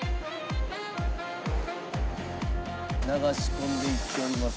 流し込んでいっております。